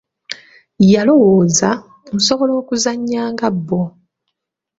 Yalowooza, nsobola okuzannya nga bbo.